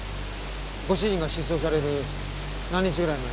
ご主人が失踪される何日ぐらい前の？